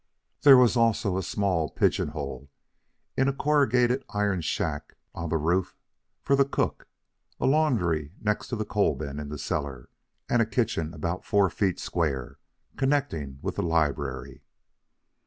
There was also a small pigeon hole in a corrugated iron shack on the roof for the cook; a laundry next to the coal bin in the cellar; and a kitchen about four feet square connecting with the library."